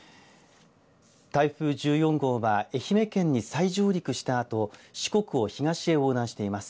台風１４号は愛媛県に再上陸したあと四国を東へ横断しています。